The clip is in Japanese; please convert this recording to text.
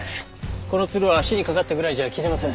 このつるは足に掛かったぐらいじゃ切れません。